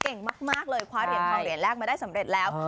เก่งมากเลยคว้าเหรียญทองเหรียญแรกมาได้สำเร็จแล้ว